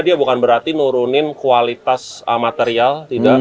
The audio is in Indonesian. dia bukan berarti nurunin kualitas material